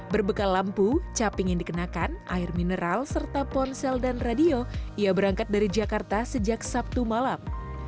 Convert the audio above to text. berbekal lampu caping yang dikenakan air mineral serta ponsel dan radio ia berangkat dari jakarta sejak sabtu malam